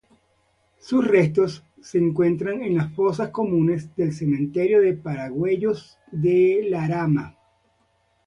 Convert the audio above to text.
Sus restos se encuentran en las fosas comunes del cementerio de Paracuellos del Jarama.